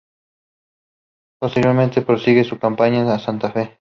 Posteriormente prosigue su campaña a Santa Fe.